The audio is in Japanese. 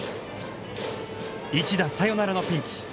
一打サヨナラのピンチ。